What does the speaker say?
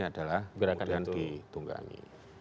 adalah kemudian ditunggangi